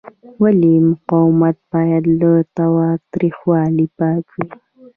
ولې مقاومت باید له تاوتریخوالي پاک وي؟